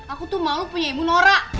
aku tuh malu punya ibu nora